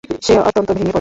সে অত্যন্ত ভেঙ্গে পড়ে।